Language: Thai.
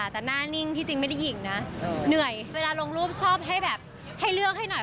แต่หน้านิ่งที่จริงไม่ได้หญิงนะเหนื่อยเวลาลงรูปชอบให้แบบให้เลือกให้หน่อย